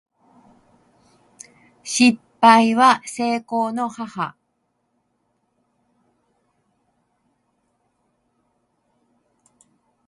失敗は成功の母